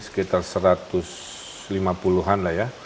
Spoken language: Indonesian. sekitar seratus lima puluhan lah ya